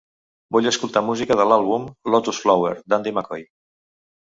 Vull escoltar música de l'àlbum "Lotus Flower", d'Andy Mccoy.